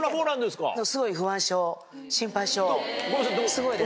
すごいです。